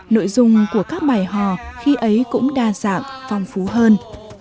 nội dung của các bài hò khi ấy cũng đa dạng phong phú hơn